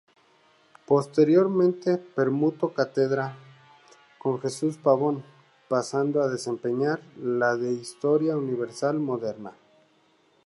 Posteriormente permutó cátedra con Jesús Pabón, pasando a desempeñar la de Historia Universal Moderna.